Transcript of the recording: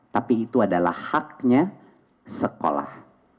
tapi itu adalah haknya sekolah